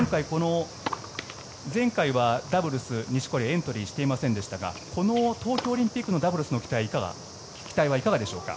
前回はダブルスは錦織はエントリーしていませんでしたがこの東京オリンピックのダブルスの期待はいかがでしょうか？